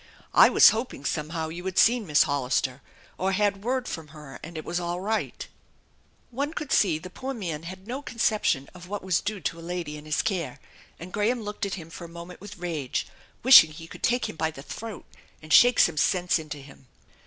I was hoping somehow you had seen Miss Hollister, or had word from her, and it was all right/' One could see the poor man had no conception of what was due to a lady in his care, and Graham looked at him for a moment with rage, wishing he could take him hy the throat and shake some sense into him.